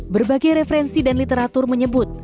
berbagai referensi dan literatur menyebut